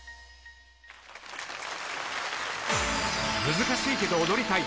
難しいけど踊りたい！